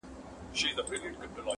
باور نسته یو په بل، سره وېریږي.!